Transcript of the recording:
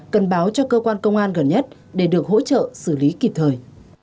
cần báo cho cơ quan công an gần nhất để được hỗ trợ xử lý kịp thời